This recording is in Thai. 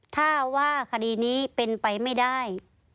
ถ้าว่าคดีนี้เป็นไปไม่ได้